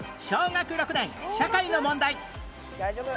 小学６年社会の問題えっ！？